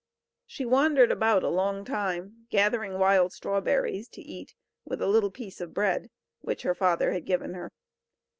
She wandered about a long time, gathering wild strawberries, to eat with a little piece of bread, which her father had given her.